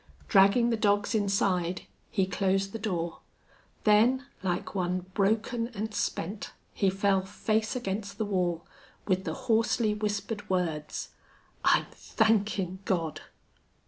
Dragging the dogs inside, he closed the door. Then, like one broken and spent, he fell face against the wall, with the hoarsely whispered words, "I'm thankin' God!"